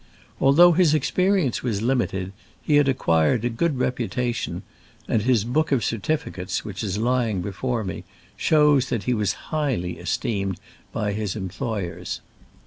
Although his experience was limited, he had ac quired a good reputation ; and his book of certificates, which is lying before me, shows that he was highly esteemed by his employers.